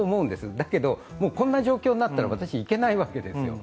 だけど、こんな状況になったら私、行けないわけですよ。